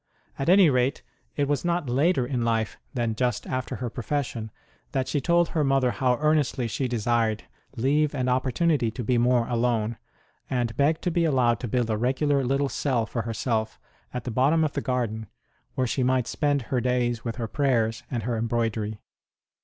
At any rate, it was not later in life than just after her profession that she told her mother how earnestly she desired leave and opportunity to be more alone, and begged to be allowed to build a regular little cell " for herself at the bottom of the garden, HER GARDEN CELL 103 where she might spend her days with her prayers and her embroidery.